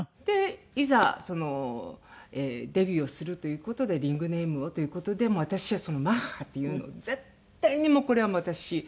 いざそのデビューをするという事でリングネームをという事で私はその「マッハ」っていうのを絶対にこれはもう私使いたい。